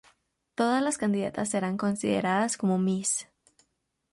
Todas las candidatas serán consideradas como Miss.